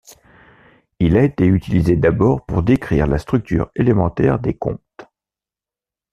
Il a été utilisé d'abord pour décrire la structure élémentaire des contes.